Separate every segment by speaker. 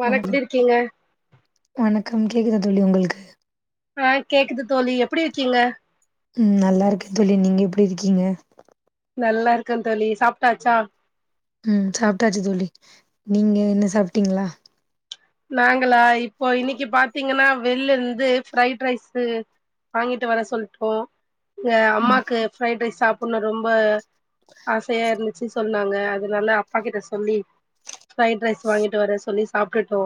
Speaker 1: வனக்க
Speaker 2: வணக்கம்
Speaker 1: எப்டி இருக்கீங்க
Speaker 2: வணக்கம் கேக்குதா தோழி உங்களுக்கு
Speaker 1: ஆ கேக்குது தோழி எப்டி இருக்கீங்க
Speaker 2: ம் நல்லா இருக்கே தோழி நீங்க எப்டி இருக்கீங்க
Speaker 1: நல்லா இருக்கே தோழி சாப்டாச்சா
Speaker 2: ம் சாப்டாச்சு தோழி நீங்க என்ன சாப்டீங்களா
Speaker 1: நாங்களா இப்போ இன்னைக்கு பாத்தீங்கனா வெள்ள இருந்து ப்ரைடு ரைஸு வாங்கிட்டு வர சொல்டோ இங்க
Speaker 2: அ
Speaker 1: அம்மாக்கு ஃப்ரைட் ரைஸ் சாப்பிடுனு ரொம்ப ஆசையா இருந்துச்சு சொன்னாங்க அதுனால அப்பா கிட்ட சொல்லி பிரைட் ரைஸ் வாங்கிட்டு வர சொல்லி சாப்டுட்டோ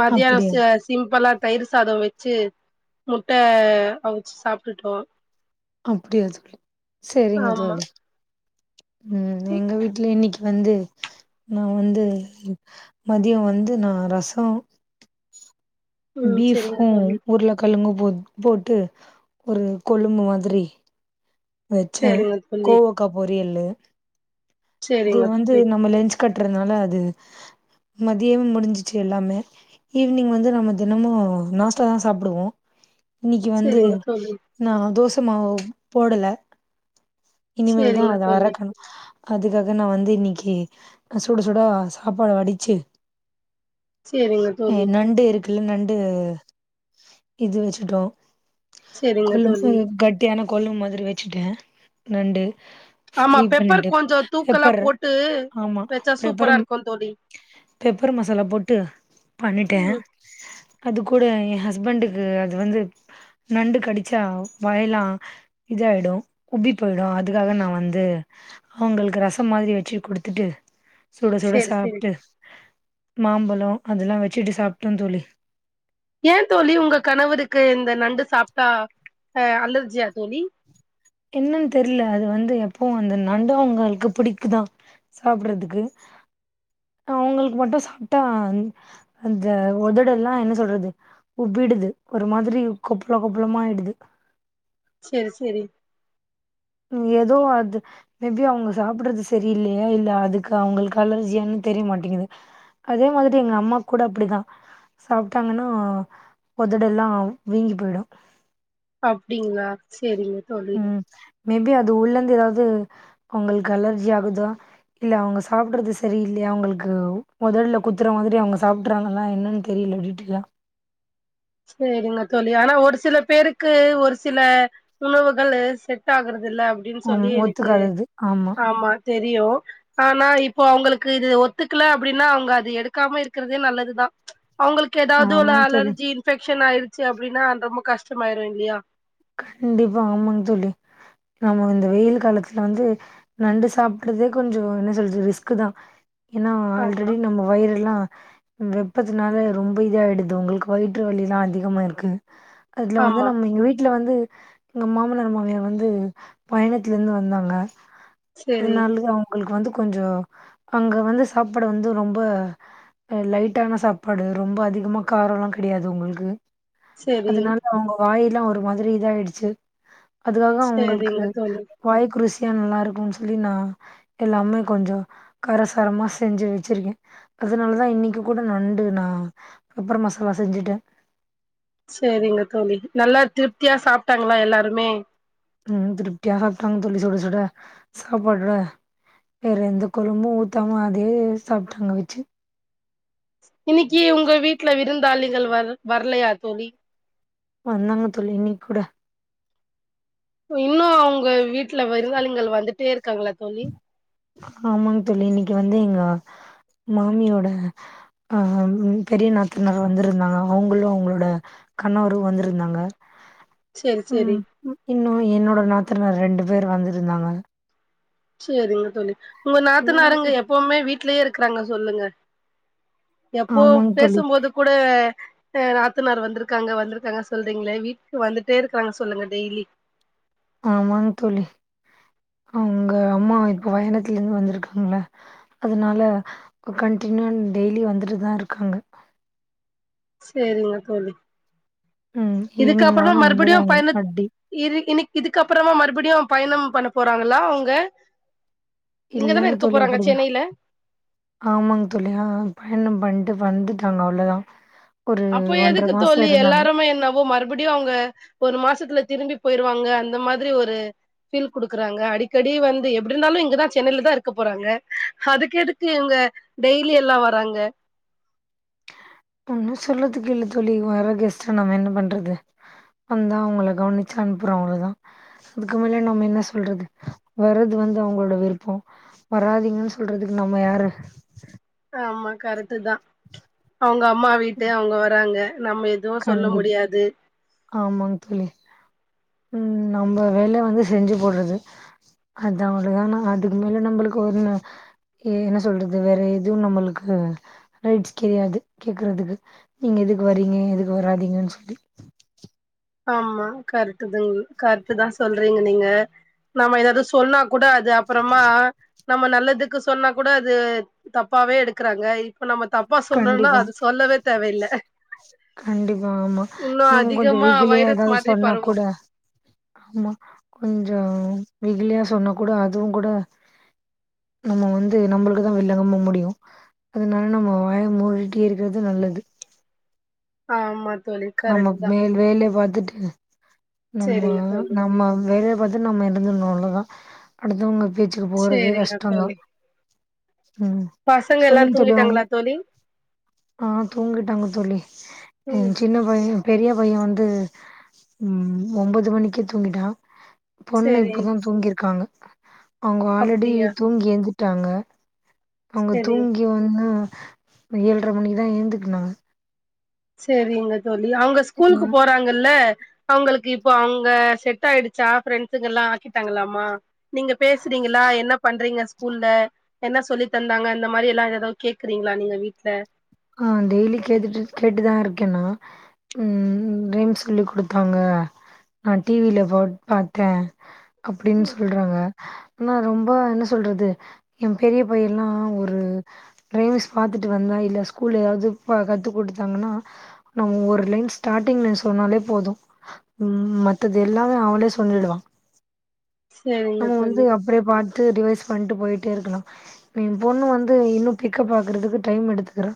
Speaker 1: மத்தியானம் செ
Speaker 2: அப்டியா
Speaker 1: செ சிம்பளா தயிர் சாதம் வச்சி முட்ட அவிச்சி சாப்டுட்டோ
Speaker 2: அப்டியா தோழி செரிங்க
Speaker 1: ஆமா
Speaker 2: தோழி உம் எங்க வீட்ல இன்னைக்கு வந்து நா வந்து மதியோ வந்து நா ரசம்
Speaker 1: ம் செரிங்க
Speaker 2: பீஃபும்
Speaker 1: தோழி
Speaker 2: உருளைக்கலுங்கு போ போட்டு ஒரு கொழும்பு மாதிரி வச்சே
Speaker 1: செரிங்க தோழி
Speaker 2: கோவக்கா பொரியல்லு அது
Speaker 1: செரிங்க
Speaker 2: வந்து
Speaker 1: தோழி
Speaker 2: நம்ம லெஞ்ச் கட்டுறனால அது மதியம முடிஞ்சிச்சு எல்லாமே ஈவினிங் வந்து நம்ம தினமு நாஸ்டா தா சாப்டுவோ இன்னைக்கு வந்து
Speaker 1: செரிங்க தோழி
Speaker 2: நா தோசமாவு போடல இனிமேல்‌தா
Speaker 1: செரிங்க
Speaker 2: அது
Speaker 1: தோழி
Speaker 2: அரக்கணு அதுக்காக நா வந்து இன்னைக்கு சுட சுடா சாப்பாடு வடிச்சு
Speaker 1: சேரிங்க தோழி
Speaker 2: நண்டு இருக்குல்ல நண்டு இது வெச்சுட்டோ
Speaker 1: சேரிங்க
Speaker 2: கொலம்பு
Speaker 1: தோழி
Speaker 2: கட்டியான‌ கொலம்பு மாதிரி வெச்சுட்டே நண்டு
Speaker 1: ஆமா
Speaker 2: ஃப்ரை
Speaker 1: பெப்பர்
Speaker 2: பண்ணிட்டு
Speaker 1: கொஞ்சோ தூக்கலா
Speaker 2: பெப்பர்
Speaker 1: போட்டு
Speaker 2: ஆமா
Speaker 1: வெச்சா
Speaker 2: பெப்பர்
Speaker 1: சூப்பராருக்கு தோழி
Speaker 2: பெப்பர் மசாலா போட்டு பண்ணிட்டே
Speaker 1: ம்
Speaker 2: அது கூட ஏ ஹஸ்பண்டுக்கு அது வந்து நண்டு கடிச்சா வாய்லா இதயிடு உப்பி போயிடு அதுக்காக நா வந்து அவங்ளுக்கு ரசம் மாதிரி வெச்சு குடுத்துட்டு சுட சுட
Speaker 1: சேரி சேரி
Speaker 2: சாப்ட்டு மாம்பழோ அதெல்லா வச்சுட்டு சாப்ட்டோ தோழி
Speaker 1: ஏ தோழி உங்க கணவருக்கு இந்த நண்டு சாப்ட்டா அஹ அலர்ஜியா தோழி
Speaker 2: என்னன்னு தெர்ல அது வந்து எப்பவு அந்த நண்டுவங்களுக்கு புடிக்குதா சாப்ட்டுறதுக்கு அவங்ளுக்கு மட்டு சாப்ட்டா அந்த உதடெல்லா என்ன சொல்றது உப்பிடுது ஒரு மாதிரி கொப்பளம் கொப்பளமா ஆயிடுது
Speaker 1: சேரி சேரி
Speaker 2: ஏதோ அது மேபி அவங்க சாப்பிடுறது சரியில்லையா இல்ல அதுக்கு அவங்ளுக்கு அலர்ஜியானு தெரியமாட்டேங்குது அதே மாதிரி எங்கம்மாக் கூட அப்டிதா சாப்ட்டாங்கனா ஒதடெல்லா வீங்கி போயிடு
Speaker 1: அப்டிங்களா சேரிங்
Speaker 2: உம் மேபி அது உள்ளந்து ஏதாவது அவங்ளுக்கு அலர்ஜி ஆகுதா இல்ல அவங்க சாப்படுறது சரில்லையா அவுங்ளுக்கு உதல்ல குத்துற மாதிரி அவங்க சாப்பிடறாங்கல்லா என்னன்னு தெரியில [unintelligible]
Speaker 1: சரிங்க தோழி ஆனா ஒரு சில பேருக்கு ஒரு சில உணவுகள் செட் ஆகுறத இல்ல அப்டின்னு
Speaker 2: ம்
Speaker 1: சொல்லி எனக்கு
Speaker 2: ஒத்துக்காதது
Speaker 1: ஆமா தெரியு ஆனா இப்போ அவங்ளுக்கு இது ஒத்துக்கல அப்டின்னா அவங்க அது எடுக்காம இருக்கிறதே நல்லதுதா அவங்ளுக்கு ஏதாவது ஒரு
Speaker 2: ஆமாங்க தோழி
Speaker 1: அலர்ஜி இன்ஃபெக்க்ஷன் ஆயிருச்சு அப்டின்னா ரொம்ப கஷ்டமாயிரு இல்லையா
Speaker 2: கண்டிப்பா ஆமாங் தோழி நாம இந்த வெயில் காலத்துல வந்து நண்டு சாப்படுறதே கொஞ்சோ என்ன சொல்றது ரிஸ்க்கு தா ஏனா
Speaker 1: ஆமா
Speaker 2: ஆல்ரெடி நம்ம வயிரெல்லா வெப்பத்தினால ரொம்ப இதா ஆயிடுது உங்களுக்கு வயிற்று வலில்லா அதிகமா இருக்கு அதுல வந்து
Speaker 1: ஆமா
Speaker 2: நம்ம எங்க வீட் வீட்ல வந்து எங்க மாமனார் மாமியார் வந்து பயணத்துலந்து வந்தாங்க
Speaker 1: செரி
Speaker 2: அதனாலயே அவுங்களுக்கு வந்து கொஞ்ச அங்க வந்து சாப்ட வந்து ரொம்ப அ லைட்டான சாப்பாடு ரொம்ப அதிகமா காரல்லா கெடையாது உங்கள்க்கு
Speaker 1: செரி
Speaker 2: அதனால அவுங்க வாயெல்லாம் ஒரு மாதிரி இதாயிடுச்சி அதுக்காக அவுங்களுக்கு
Speaker 1: செரிங்க தோழி
Speaker 2: வாய்கு ரூசியா நல்லா இருக்குன் சொல்லி நா எல்லாமே கொஞ்ச காரசாரமா செஞ்சி வச்சிருக்கே அதனாலதா இன்னைக்கு கூட நண்டு நா பெப்பார் மசாலா செஞ்சிட்டே
Speaker 1: செரிங்க தோழி நல்லா திருப்தியா சாப்ட்டாங்ளா எல்லாருமே
Speaker 2: ம் திருப்தியா சாப்ட்டாங்க தோழி சுட சுட சாப்பாட வேற எந்த கொழம்பு ஊத்தாம அதே சாப்ட்டாங்க வச்சி
Speaker 1: இன்னைக்கு உங்க வீட்ல விருந்தாளிங்கள் வர் வரலையா தோழி
Speaker 2: வந்தாங்க தோழி இன்னைக் கூட
Speaker 1: இன்னு அவுங்க வீட்ல விருந்தாளிங்கள் வந்துட்டே இருக்காங்ளா தோழி
Speaker 2: ஆமாங் தோழி இன்னைக்கு வந்து எங்க மாமியோட அ பெரிய நாத்தனார் வந்துருந்தாங்க அவுங்களு அவுங்களோட கணவரு வந்துருந்தாங்க
Speaker 1: செரி செரி
Speaker 2: ம் ம் இன்னு என்னோட நாத்தனார் ரெண்டு பேர் வந்துருந்தாங்க
Speaker 1: சேரிங்க தோழி உங்க நாத்தனருங்க எப்பவுமே வீட்லயே இருக்கறாங்க சொல்லுங்க எப்போ
Speaker 2: ஆமாங் தோழி
Speaker 1: பேசும்போது கூட ட நாத்தனார் வந்துருக்காங்க வந்துருக்காங்க சொல்றீங்ளே வீட்டுக்கு வந்துட்டே இருக்கறாங்க சொல்லுங்க டெய்லி
Speaker 2: ஆமாங் தோழி அவுங்க அம்மா இப்ப பயணத்துலந்து வந்துருக்காங்ள அதனால கன்டினியூவா டெய்லி வந்துட்டு தா இருக்காங்க
Speaker 1: சேரிங்க தோழி
Speaker 2: ம் ஈவினிங்
Speaker 1: இதுக்கப்புறமா
Speaker 2: ஆனா இங்கதா
Speaker 1: மறுபடியு பயண
Speaker 2: எங்களுக்கு அடி
Speaker 1: இரு இன்னிக் இதுக்கு அப்புறமா மறுபடியு அவ பயணம் பண்ண போறாங்களா அவுங்க இங்க தான
Speaker 2: இல்லங்
Speaker 1: இருக்க
Speaker 2: தோழி
Speaker 1: போறாங்க
Speaker 2: அப்படிதா
Speaker 1: சென்னைல
Speaker 2: ஆமாங் தோழி ஆ பயணம் பண்ட்டு வந்துட்டாங்க அவ்ளோ தா
Speaker 1: அப்போ எதுக்கு தோழி எல்லாருமே என்னவோ மறுபடியு அவுங்க ஒரு மாசத்துல திரும்பி போய்ருவாங்க அந்த மாதிரி ஒரு ஃபீல் குடுக்கறாங்க அடிக்கடி வந்து எப்டி இருந்தாலு இங்க தா சென்னைல தா இருக்க போறாங்க அதுக்கு எதுக்கு இவுங்க டெய்லி எல்லா வராங்க
Speaker 2: ஒன்னு சொல்றதுக்கு இல்ல தோழி வர கெஸ்ட நம்ம என்ன பண்றது வந்தா அவுங்கள கவனிச்சி அன்ப்புறோ அவ்ளோதா அதுக்கு மேல நம்ம என்ன சொல்றது வர்றது வந்து அவுங்களோட விருப்போ வராதிங்கன் சொல்றதுக்கு நம்ம யாரு
Speaker 1: ஆமா கரெக்ட தா அவுங்க அம்மா வீட்டு அவுங்க வராங்க நம்ம எதுவு சொல்ல
Speaker 2: கண்டு
Speaker 1: முடியாது
Speaker 2: ஆமாங் தோழி ம் நம்ப வேல வந்து செஞ்சி போட்றது அது அவ்ளோதோ நா அதுக்கு மேல நம்பளுக்கு ஒன்னு ஏ என்ன சொல்றது வேற எதுவு நம்மளுக்கு ரைட்ஸ் கெடையாது கேக்கறதுக்கு நீங்க எதுக்கு வறீங்க எதுக்கு வராதிங்கன் சொல்லி
Speaker 1: ஆமா கரெக்ட் தாங்க கரெக்ட் தா சொல்றீங்க நீங்க நம்ம ஏதாவது சொன்னா கூட அது அப்புறமா நம்ம நல்லதுக்கு சொன்னா கூட அது தப்பாவே எடுக்கறாங்க இ ப்ப நம்ம தப்பா சொல்னுன்னா
Speaker 2: கண்டிப்பா,
Speaker 1: அது சொல்லவே தேவையில்ல
Speaker 2: கண்டிப்பா ஆமா இன்னு கொஞ்சோ
Speaker 1: அதிகமா
Speaker 2: வெகிலியா
Speaker 1: வைரஸ்
Speaker 2: ஏதாவது
Speaker 1: மாதிரி
Speaker 2: சொன்னா
Speaker 1: பரவு
Speaker 2: கூட ஆமா கொஞ்சோ வெகிலியா சொன்னா கூட அதுவு கூட நம்ம வந்து நம்ளுக்குதா விலங்கம்மா முடியு அதனால நம்ம வாய மூடிட்டு இருக்கிறது நல்லது
Speaker 1: ஆமா தோழி கரெக்ட்
Speaker 2: நமக்
Speaker 1: தா
Speaker 2: மேல் வேலய பாத்துட்டு நம்ம
Speaker 1: சேரிங்க தோழி
Speaker 2: நம்ம வேலைய பத் து நம்ம இருந்துர்ணு அவ்ளதா அடுத்தவங்க பேச்சுக்கு போறதே
Speaker 1: சேரிங்க
Speaker 2: கஷ்டந்தா
Speaker 1: தோழி
Speaker 2: உம்
Speaker 1: பசங்க எல்லா
Speaker 2: சொல்லுங்க தோழி உங்
Speaker 1: தூங்கிட்டாங்களா தோழி
Speaker 2: ஆ தூங்கிட்டாங்க தோழி
Speaker 1: ம்
Speaker 2: என் சின்ன பைய பெரிய பைய வந்து உம் ஒம்பது மணிக்கே தூங்கிட்டா பொண்ணு
Speaker 1: சேரி
Speaker 2: இப்பதா தூங்கிருக்காங்க அவங்க ஆல்ரெடி
Speaker 1: அப்டியா
Speaker 2: தூங்கி எந்துட்டாங்க அவங்க
Speaker 1: சேரி
Speaker 2: தூங்கி வன்னு ஏழ்ரை மணிக் தா ஏந்துக்குனாங்க
Speaker 1: சேரிங்க தோழி அவங்க ஸ்கூலுக்கு போறாங்கல்ல அவங்களுக்கு இப்போ அவங்க செட் ஆயிடுச்சா ஃப்ரெண்ட்ஸ்சுங்கெல்லா ஆக்கிட்டாங்களலாமா நீங்க பேசுறீங்களா என்ன பண்றீங்க ஸ்கூல்ல என்ன சொல்லி தந்தாங்க அந்த மாறி எல்லா எதோ கேக்குறீங்களா நீங்க வீட்ல
Speaker 2: ஆ டெய்லி கேட்டுட்டு கேட்டுதா இருக்கேன் நா உம் ம் ரைம்ஸ் சொல்லி குடுத்தாங்க நா டி வி ல போட் பாத்தே அப்டின் சொல்றாங்க நா ரொம்ப என்ன சொல்றது எ பெரிய பையெல்லா ஒரு ரைம்ஸ் பாத்துட்டு வந்தா இல்ல ஸ்கூ ஸ்கூல்ல எதாவது கத்து குடுத்கதாங்கன்னா நா ஒரு லைன் ஸ்டார்ட்டிங்ல சொன்னாலே போது உம் மத்தது எல்லாமே அவளே சொல்லிடுவா
Speaker 1: சேரிங்க தோழி
Speaker 2: அப்டியே பாத்து ரிவைஸ் பண்ட்டு போயிட்டே இருக்கணு ஏ பொண்ணு வந்து இன்னும் பிக்கப் ஆகுறதுக்கு டைம் எடுத்துக்குறா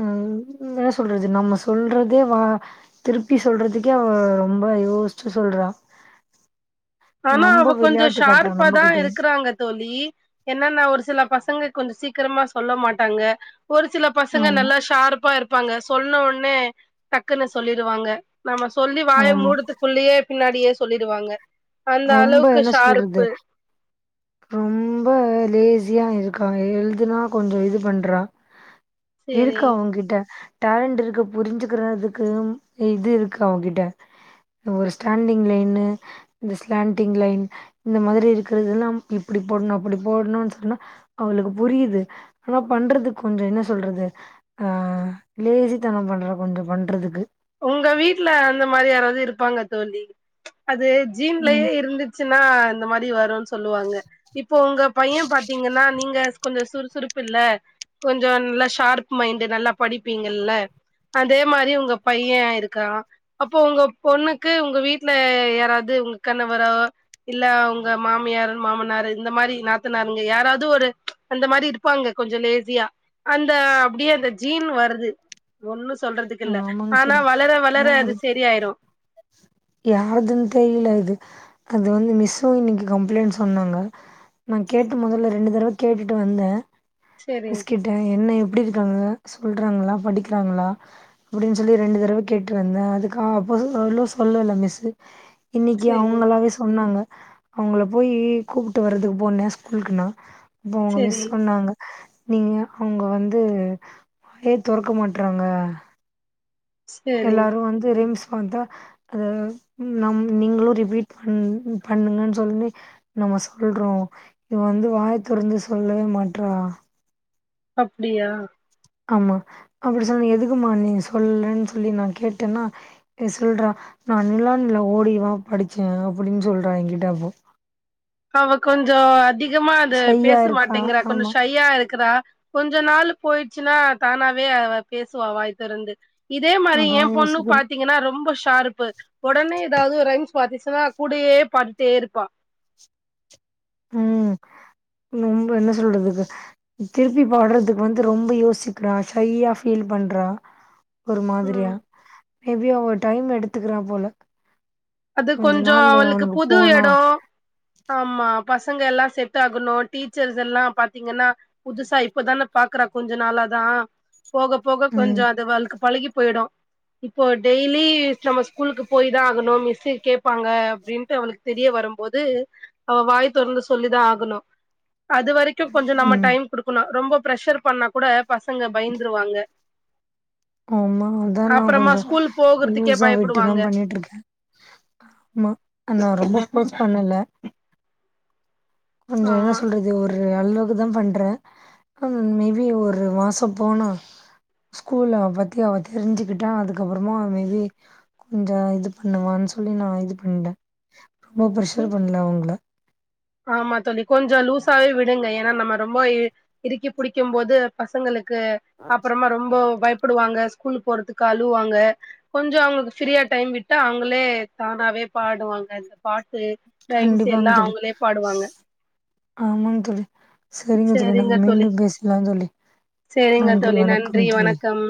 Speaker 2: ம் என்ன சொல்றது நம்ம சொல்றது வா திருப்பி சொல்றதுக்கே அவ ரொம்ப யோஸ்ச்சு சொல்றா
Speaker 1: ஆனா அவ
Speaker 2: நம்ப
Speaker 1: கொஞ்சோ
Speaker 2: விளையாட்டு காட்றா
Speaker 1: ஷார்ப்பா தா
Speaker 2: நம்மகிட்டயே
Speaker 1: இருக்கறா ங்க தோழி என்னனா ஒரு சில பசங்க கொஞ்ச சீக்கிரமா சொல்ல மாட்டாங்க ஒரு சில பசங்க
Speaker 2: ஆமா
Speaker 1: நல்லா ஷார்ப்பா இருப்பாங்க சொன்ன ஒடனே டக்குன்னு சொல்லிடுவாங்க நம்ம சொல்லி வாய
Speaker 2: ஆமா
Speaker 1: மூடுத்துக்குள்ளேயே பின்னாடியே சொல்லிடுவாங்க அந்த
Speaker 2: ரொம்ப
Speaker 1: அளவுக்கு
Speaker 2: என்ன சொல்றது
Speaker 1: ஷார்ப்பு
Speaker 2: ரொம்ப லேசியா இருக்கா எழுதுனா கொஞ்ச இது பண்றா
Speaker 1: சேரி
Speaker 2: இருக்கு அவங்கிட்ட டேலண்டு இருக்கு புரிஞ்சுக்கிறதுக்கு இது இருக்கு அவ கிட்ட ஒரு ஸ்டாண்டிங் லைன்னு இந்த ஸ்லாண்டிங் லைன் இந்த மாரி இருக்கிறதெல்லாம் இப்டி போட்ணு அப்டி போட்ணுன் சொன்னா அவளுக்கு புரியுது ஆனா பண்றது கொஞ்ச என்ன சொல்றது ஆ லேசித்தனம் பண்றா கொஞ்ச பண்றதுக்கு
Speaker 1: உங்க வீட்ல அந்த மாரி யாராவது இருப்பாங்க தோழி அது ஜீன்லயே
Speaker 2: ம்
Speaker 1: இருந்து ச்சினா இந்த மாரி வருன் சொல்லுவாங்க இப்போ உங்க பைய பாத்தீங்கன்னா நீங்க கொஞ்ச சுறுசுறுப்பு இல்ல கொஞ்ச நல்லா ஷார்ப் மைண்டு் நல்லா படிப்பீங்கல்ல அதே மாரி உங்க பைய இருக்கறா அப்போ உங்க பொண்ணுக்கு உங்க வீட்ல யாராது உங்க கணவரோ இல்ல உங்க மாமியாரு மாமனாரு இந்த மாரி நாத்தனாருங்க யாராவ்து ஒரு அந்த மாரி இருப்பாங்க கொஞ்சோ லேசியா அந்த அப்டியே அந்த ஜீன் வருது ஒன்னு சொல்றதுக்கு இல்ல
Speaker 2: ஆமாங்க
Speaker 1: ஆனா
Speaker 2: தோழி
Speaker 1: வளர வளர அது செரி ஆய்ரு
Speaker 2: யார்துன் தெரில அது அது வந்து மிஸ்ஸு இன்னிக்கி கம்ப்ளைண்ட் சொன்னாங்க நா கேட்டு மொதல்ல ரெண்டு தடவ கேட்டுட்டு வந்தே
Speaker 1: சரி
Speaker 2: மிஸ் கிட் என்ன எப்டி இருக்காங்க சொல்றாங்களா படிக்கிறாங்களா அப்டின் சொல்லி ரெண்டு தடவ கேட்டு இருந்தே அதுக்கா அப்போ சொல்ல சொ சொல்லல மிஸ்ஸு இன்னிக்கி
Speaker 1: சரி
Speaker 2: அவுங்களாவே சொன்னாங்க அவுங்கள போயி கூப்டு வர்றதுக்கு போனே ஸ்கூலுக்கு நா அப்போ அவுங்க மிஸ்
Speaker 1: சரி
Speaker 2: சொன்னாங்க நீங்க அவுங்க வந்து புக்கே தொறக்க மாட்றாங்க
Speaker 1: சரி
Speaker 2: எல்லாரு வந்து ரிம்ஸ் வந்தா அததா ம் நம் நீங்களு ரிபீட் பண் பண்ணுங்கன் சொல்லி நம்ம சொல்றோ இவ வந்து வாய தொறந்து சொல்லவே மாட்றா
Speaker 1: அப்டியா
Speaker 2: ஆமா அப்டி சொல்லி எதுக்குமா நீங்க சொல்லன் சொல்லி நா கேட்டனா ஏ சொல்றா நா நிலன்ல ஓடிவா படிச்சே அப்டின் சொல்றா என்கிட்ட அப்போ
Speaker 1: அவ கொஞ்சோ அதிகமா அத
Speaker 2: ஷையா
Speaker 1: பேச
Speaker 2: இருக்கா.
Speaker 1: மாட்டேங்கிறா கொஞ்சோ
Speaker 2: ஆமா.
Speaker 1: ஷையா இருக்குறா கொஞ்ச நாள் போய்ருச்சுன்னா தானாவே அவ பேசுவா வாய் திறந்து இதே மாரி எ
Speaker 2: அதான்
Speaker 1: பொண்ணு
Speaker 2: யோசிக்கிறேன்.
Speaker 1: பாத்தீங்கன்னா ரொம்ப ஷார்பு ஒடனே எதாவ்து ரைம்ஸ் பாத்திச்சுன்னா கூடயே பாடிட்டே இருப்பா
Speaker 2: ம் நொம்ப என்ன சொல்றதுக்கு திருப்பி பாட்றதுக்கு வந்து ரொம்ப யோசிக்கிறா ஷையா ஃபீல் பண்றா ஒரு
Speaker 1: ம்
Speaker 2: மாதிரியா மே பி அவ டைம் எடுத்துகுறா போல
Speaker 1: அது
Speaker 2: கொஞ்ச
Speaker 1: கொஞ்சோ
Speaker 2: நாள்
Speaker 1: அவளுக்கு
Speaker 2: அவனுக்கு
Speaker 1: புது
Speaker 2: போனா
Speaker 1: எடோ ஆமா பசங்க எல்லா செட் ஆகணு டீச்சர்ஸ் எல்லா பாத்தீங்கன்னா புதுசா இப்பதான பாக்குறா கொஞ்சோ நாளாதா போக போக கொஞ்சோ
Speaker 2: ம்,
Speaker 1: அது அவளுக் பழகி போய்டு இப்போ டெய்லி நம்ம ஸ்கூலுக்கு போய்தா ஆகணு மிஸ் ஸு கேப்பாங்க அப்டின்ட்டு அவளுக்கு தெரிய வரும்போது அவ வாய் தொறந்து சொல்லிதா ஆகணு அது வரைக் கு கொஞ்சோ நம்ம
Speaker 2: ம்.
Speaker 1: டைம் குடுக்கணு ரொம்ப ப்ரெஷர் பண்ணா கூட பசங்க பயந்துருவாங்க
Speaker 2: ஆமா அதா நா
Speaker 1: அப்புறமா
Speaker 2: கொஞ்சோ
Speaker 1: ஸ்கூல் போகுறதுக்கே
Speaker 2: லூஸா விட்டுதா
Speaker 1: பயப்படுவாங்க
Speaker 2: பண்ணிட்ருக்கே ஆமா ஆ நா ரொம்ப ஃபோர்ஸ் பண்ணல கொஞ்சோ என்ன
Speaker 1: ஆமா
Speaker 2: சொல்றது ஒரு அளவுக்குதா பண்றே அ மே பி ஒரு மாசோ போனா ஸ்கூல்ல பத்தி அவ தெரிஞ்சுக்குட்டா அதுக்கப்பறமா மே பி கொஞ்சோ இது பண்ணுவான்னு சொல்லி நா இது பண்ணே ரொம்ப
Speaker 1: சரி.
Speaker 2: பிரரெஷர் பண்ல அவங்ள
Speaker 1: ஆமா தோழி கொஞ்சோ லூஸாவே விடுங்க எனா நம்ம ரொம்ப ஏ இருக்கி புடிக்கும்போது பசங்களுக்கு அப்பறமா ரொம்ப பயப் புடுவாங்க ஸ்கூல் போறதுக்கு அழுவாங்க கொஞ்சோ அவங்களுக்கு ஃப்ரீயா டைம் விட்டா அவுங்களே தானாவே பாடுவாங்க அத பாட்டு ரைம்ஸ்
Speaker 2: கண்டிப்பாங்க
Speaker 1: எல்லா அவங்களே பாடுவாங்க
Speaker 2: ஆமாங் தோழி சேரிங்க தோழி நம்ம மீண்டும் பேசலா தோழி
Speaker 1: சேரிங்க
Speaker 2: நன்றி
Speaker 1: தோழி நன்றி
Speaker 2: வணக்கம் தோழி
Speaker 1: வணக்கம்